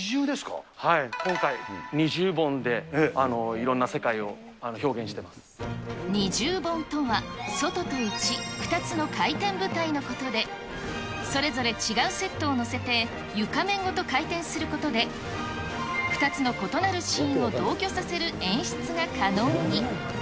今回、二重盆でいろんな世界二重盆とは、外と内、２つの回転舞台のことで、それぞれ違うセットを載せて床面ごと回転することで、２つの異なるシーンを同居させる演出が可能に。